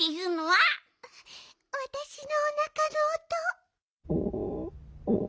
わたしのおなかのおと。